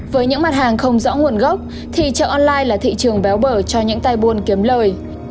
với những mặt hàng không rõ nguồn gốc thì chợ online là thị trường béo bở cho những tay buôn kiếm lời